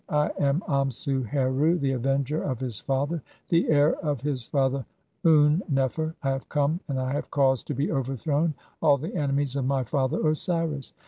I am Amsu Heru, the avenger "of his father, the heir of his father Un nefer. I have come, "and I have caused to be overthrown all the enemies of my "father Osiris.